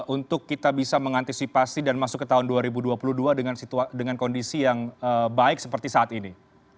untuk kita bisa mengantisipasi dan masuk ke tahun dua ribu dua puluh dua dengan kondisi yang baik seperti saat ini